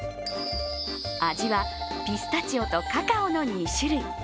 味はピスタチオとカカオの２種類。